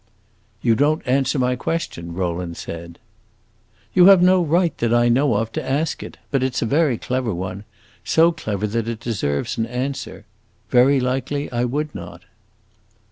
"You don't answer my question," Rowland said. "You have no right, that I know of, to ask it. But it 's a very clever one; so clever that it deserves an answer. Very likely I would not."